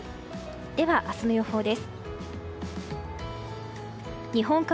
では、明日の予報です。